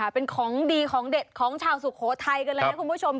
เป็นของดีของเด็ดของชาวสุโขทัยกันเลยนะคุณผู้ชม